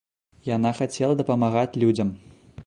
Яна хацела дапамагаць людзям.